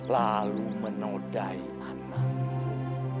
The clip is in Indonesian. lalu menodai anakmu